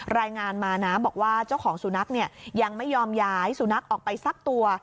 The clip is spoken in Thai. รายงานมานะบอกว่าเจ้าของสุนัขเนี่ยยังไม่ยอมย้ายสุนัขออกไปสักตัว